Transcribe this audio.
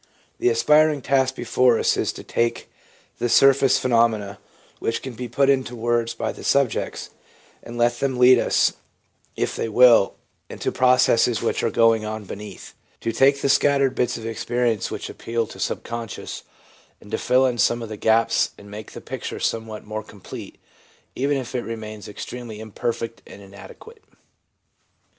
The inspiring task before us is to take the surface phenomena which can be put into words by the subjects, and let them lead us, if they will, into the processes which are going on beneath; to take the scattered bits of experience which appeal to conscious ness, and to fill in some of the gaps and make the picture somewhat more complete, even if it remains extremely imperfect and inadequate.